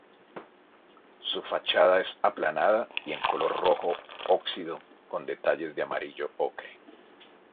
Su fachada es aplanada y en color rojo "óxido" con detalles en amarillo ocre.